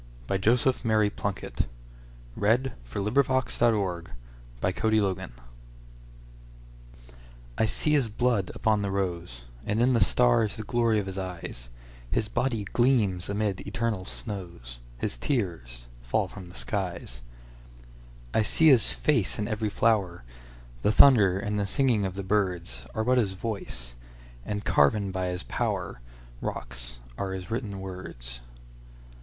1917. Joseph Mary Plunkett (1887–1916) 342. I see His Blood upon the Rose I SEE his blood upon the roseAnd in the stars the glory of his eyes, His body gleams amid eternal snows, His tears fall from the skies.I see his face in every flower; The thunder and the singing of the birdsAre but his voice—and carven by his powerRocks are his written words.